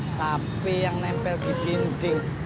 sapi yang nempel di dinding